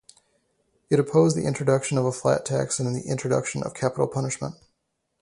It opposed the introduction of a flat tax and the introduction of capital punishment.